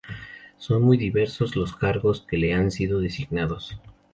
Son muy diversos los cargos que le han sido designados.